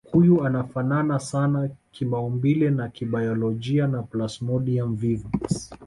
Huyu anafanana sana kimaumbile na kibayolojia na Plasmodium vivax